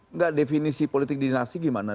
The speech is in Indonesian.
enggak definisi politik dinasti gimana